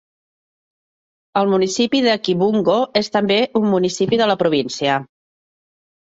El municipi de Kibungo és també un municipi de la província.